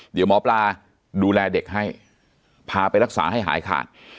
เดี๋ยวหมอปลาดูแลเด็กให้พาไปรักษาให้หายขาด